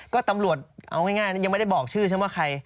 ก็ตำรวจเอาง่ายยังไม่ได้บอกชื่อฉันว่าใคร